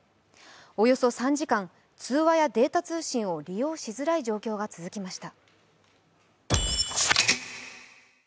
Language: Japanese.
およそ３時間、通話やデータ通信を利用しづらい状況が続きました。